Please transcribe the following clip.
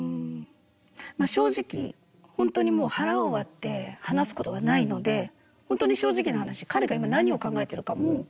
正直本当にもう腹を割って話すことがないので本当に正直な話彼が今何を考えているかも。